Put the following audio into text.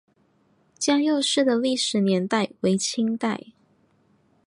嘉佑寺的历史年代为清代。